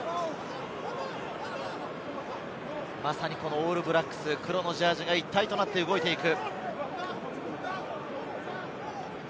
オールブラックス、黒のジャージーが一体となって動いていく。